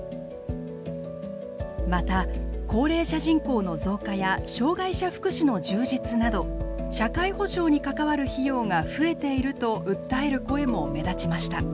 また高齢者人口の増加や障がい者福祉の充実など社会保障に関わる費用が増えていると訴える声も目立ちました。